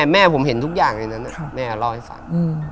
แม่ผมเห็นทุกอย่างในนั้นแม่เล่าให้ฟัง